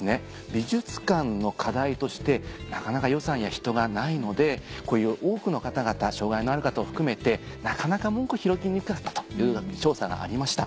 美術館の課題としてなかなか予算や人がないのでこういう多くの方々障がいのある方を含めてなかなか門戸を開きにくかったというような調査がありました。